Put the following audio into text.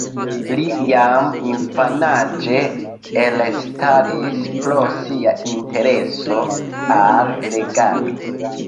Li jam infanaĝe elstaris pro sia intereso al legado.